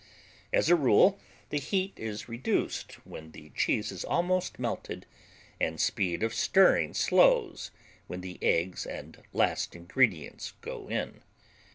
As a rule, the heat is reduced when the cheese is almost melted, and speed of stirring slows when the eggs and last ingredients go in.